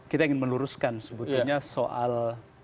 kita ingin meluruskan sebetulnya soal